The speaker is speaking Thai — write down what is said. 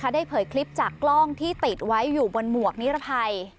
เผยคลิปจากกล้องที่ติดไว้อยู่บนหมวกนิรภัย